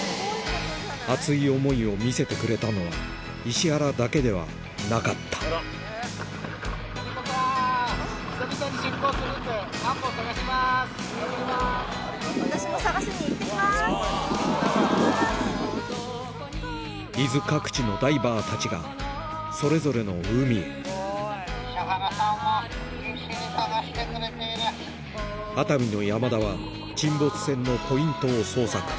熱い思いを見せてくれたのは石原だけではなかった伊豆各地のダイバーたちがそれぞれの海へ熱海の山田は沈没船のポイントを捜索